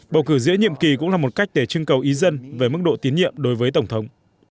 bầu cử giữa nhiệm kỳ cũng là một cách để chưng cầu ý dân về mức độ tiến nhiệm đối với tổng thống